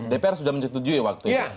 dpr sudah menyetujui waktu itu